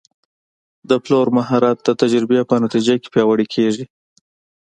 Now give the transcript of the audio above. د پلور مهارت د تجربې په نتیجه کې پیاوړی کېږي.